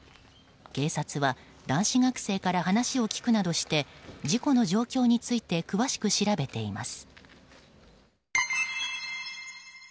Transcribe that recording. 警察は男子学生から話を聞くなどして事故の状況について詳しく調べています。